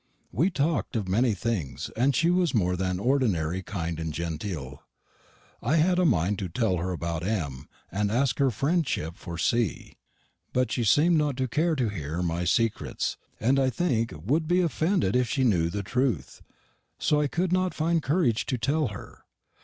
"We tawked of manny things, and she was more than ordinnary kind and gentel. I had a mind to tell her about M, and aske her frendship for C; but she seemed not to cair to here my sekrets, and I think wou'd be offended if she new the trooth. So I cou'd not finde courrage to tell her.